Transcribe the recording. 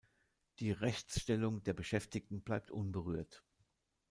Die Rechtsstellung der Beschäftigten bleibt unberührt.